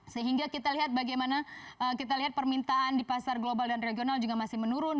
sehingga kita lihat bagaimana kita lihat permintaan di pasar global dan regional juga masih menurun